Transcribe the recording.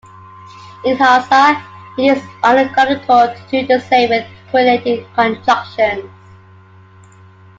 In Hausa it is ungrammatical to do the same with coordinating conjunctions.